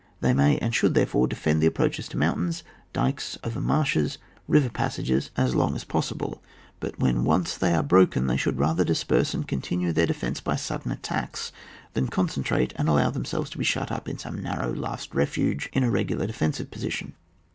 They may, and should, therefore, defend the approaches to mountains, dykes, over marshes, river passages, as long as OHAP. XXVI il ARMIHG TEJS NATION. 177 possible 5 %ut when osoe they are broken, they shoiild rather disperse^ and continue their defence by sudden attacks, than con centrate and allow themselves to be shut up in some narrow last refuge in a regu lar defensive position.